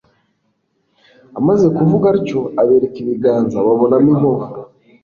amaze kuvuga atyo abereka ibiganza babonamo inkovu